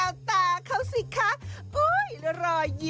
ยังเข้ามาล้นเกิดใจ